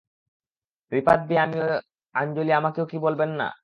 রিপাত বি আমিও আঞ্জলি আমাকেও কি বলবেন না?